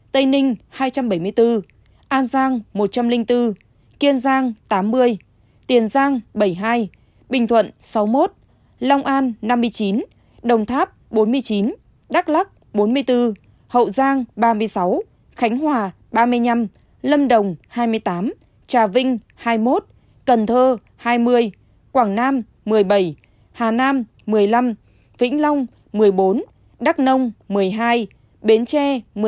tây ninh hai trăm bảy mươi bốn an giang một trăm linh bốn kiên giang tám mươi tiền giang bảy mươi hai bình thuận sáu mươi một long an năm mươi chín đồng tháp bốn mươi chín đắk lắc bốn mươi bốn hậu giang ba mươi sáu khánh hòa ba mươi năm lâm đồng hai mươi tám trà vinh hai mươi một cần thơ hai mươi quảng nam một mươi bảy hà nam một mươi năm vĩnh long một mươi bốn đắk nông một mươi hai bến tre một mươi hai